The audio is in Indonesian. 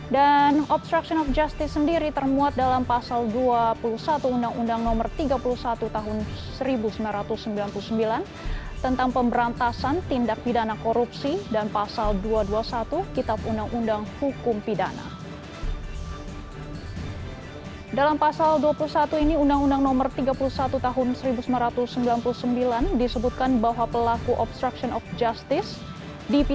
dan obstruction of justice sendiri termuat dalam pasal dua puluh satu undang undang no tiga puluh satu tahun seribu sembilan ratus sembilan puluh sembilan tentang pemberantasan tindak pidana korupsi